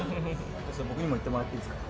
それ僕にも言ってもらっていいすか？